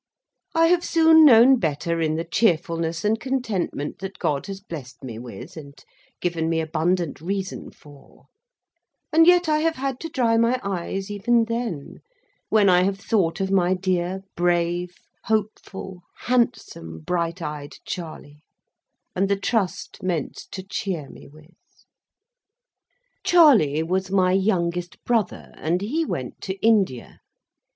I have soon known better in the cheerfulness and contentment that God has blessed me with and given me abundant reason for; and yet I have had to dry my eyes even then, when I have thought of my dear, brave, hopeful, handsome, bright eyed Charley, and the trust meant to cheer me with. Charley was my youngest brother, and he went to India.